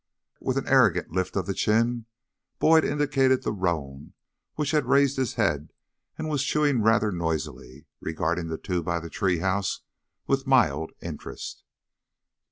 With an arrogant lift of the chin, Boyd indicated the roan, who had raised his head and was chewing rather noisily, regarding the two by the tree house with mild interest.